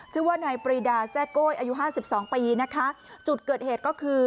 ชื่อว่านายปรีดาแซ่โก้ยอายุห้าสิบสองปีนะคะจุดเกิดเหตุก็คือ